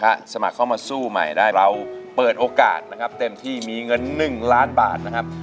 ถ้าสมัครเข้ามาสู้ใหม่ได้เราเปิดโอกาสนะครับเต็มที่มีเงิน๑ล้านบาทนะครับ